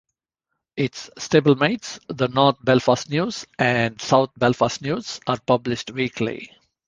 Its stablemates, the "North Belfast News" and "South Belfast News", are published weekly.